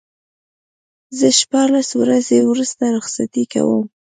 زه شپاړس ورځې وروسته رخصتي کوم.